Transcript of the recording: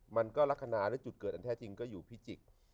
มันก็ลักษณะหรือจุดเกิดอันแท้จริงก็อยู่พิจิก